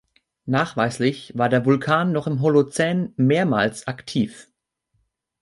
Nachweislich war der Vulkan noch im Holozän mehrmals aktiv.